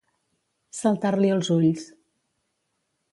Saltar-li els ulls.